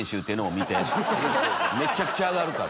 めちゃくちゃ上がるから。